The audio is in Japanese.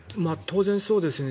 当然そうですね。